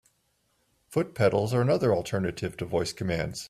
Foot pedals are another alternative to voice commands.